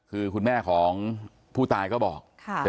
คือคุณแม่ของผู้ตายก็บอก